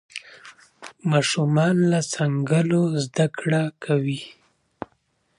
ماشومان له ځنګله زده کړه کوي.